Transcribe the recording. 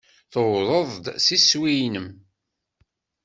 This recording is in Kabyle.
Tuwḍeḍ s iswi-nnem.